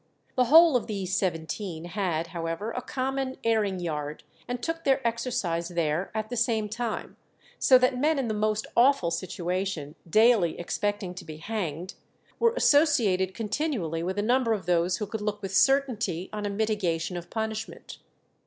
The whole of these seventeen had, however, a common airing yard, and took their exercise there at the same time, so that men in the most awful situation, daily expecting to be hanged, were associated continually with a number of those who could look with certainty on a mitigation of punishment.